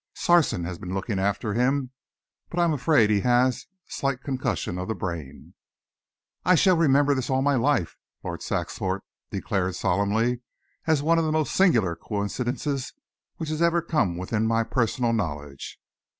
Sarson has been looking after him, but I am afraid he has slight concussion of the brain." "I shall remember this all my life," Lord Saxthorpe declared solemnly, "as one of the most singular coincidences which has ever come within my personal knowledge.